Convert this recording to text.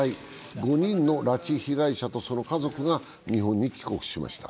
５人の拉致被害者とその家族が日本に帰国しました。